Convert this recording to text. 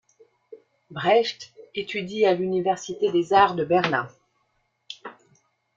Becht étudie à l'Université des arts de Berlin.